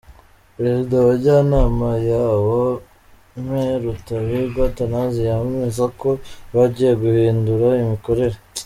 Perezida wa Njyanama yawo, Me Rutabingwa Athanase, yemeza ko bagiye guhindura imikorere.